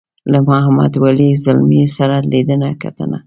له محمد ولي ځلمي سره لیدنه کتنه.